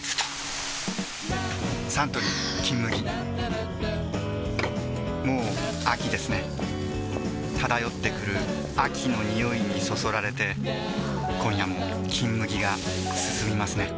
サントリー「金麦」もう秋ですね漂ってくる秋の匂いにそそられて今夜も「金麦」がすすみますね